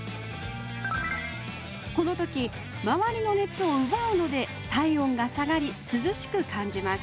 この時周りの熱をうばうので体温が下がり涼しく感じます